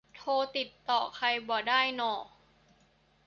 โทรติดต่อใครบ่ได้น่อ